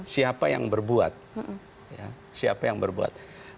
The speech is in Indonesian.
siapa yang berbuat